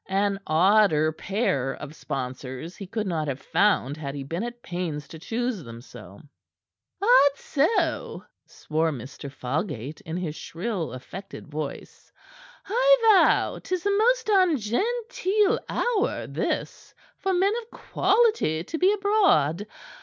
An odder pair of sponsors he could not have found had he been at pains to choose them so. "Adso!" swore Mr. Falgate, in his shrill, affected voice. "I vow 'tis a most ungenteel hour, this, for men of quality to be abroad.